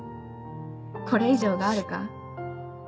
これ以上があるか。